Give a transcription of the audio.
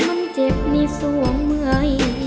มันเจ็บนี่สวงเหมือน